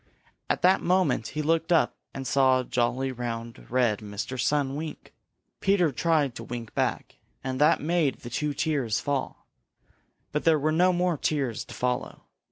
At that moment he looked up and saw jolly, round, red Mr. Sun wink. Peter tried to wink back, and that made the two tears fall. But there were no more tears to follow.